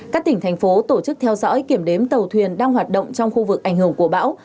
các tỉnh thành phố tổ chức theo dõi kiểm đếm tàu thuyền đang hoạt động trong khu vực ảnh hưởng của bão